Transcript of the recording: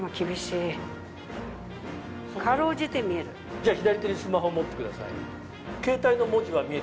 じゃあ左手にスマホ持ってください。